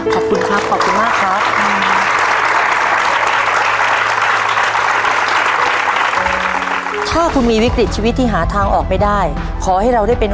ขอบคุณครับขอบคุณมากครับ